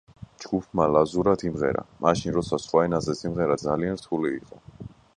ჯგუფმა ლაზურად იმღერა, მაშინ როცა სხვა ენაზე სიმღერა ძალიან რთული იყო.